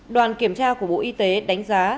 đoàn kiểm tra của bộ y tế đánh giá